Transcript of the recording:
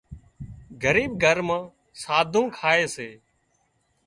ڳريٻ گھر مان ساڌُون کائي سي